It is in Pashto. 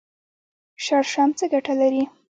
شړشم څه ګټه لري؟